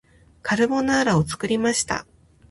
カルボナーラを作りました